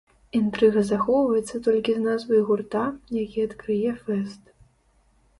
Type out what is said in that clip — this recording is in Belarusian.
Інтрыга захоўваецца толькі з назвай гурта, які адкрые фэст.